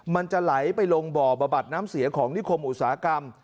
มันจะไหลไปลงบ่อบำบัดน้ำเสียของนิคมอุตสาหกรรม